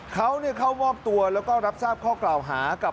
เขาเข้ามอบตัวแล้วก็รับทราบข้อกล่าวหากับ